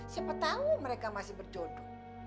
siapa tahu mereka masih berjodoh